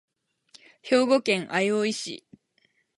兵庫県相生市